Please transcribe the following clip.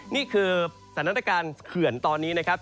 นี่คือสถานการณ์เขื่อนตอนนี้นะครับ